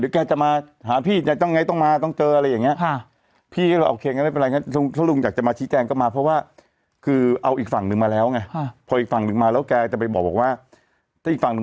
ศนอศนอศนอศนอศนอศนอศนอศนอศนอศนอศนอศนอศนอศนอศนอศนอศนอศนอศนอศนอศนอศนอศนอศนอศนอศนอศนอศนอศนอศนอศนอศนอศนอศนอศนอศนอศนอ